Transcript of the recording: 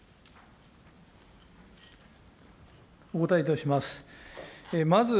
お答えいたします。